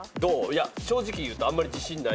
いや正直言うとあんまり自信ない。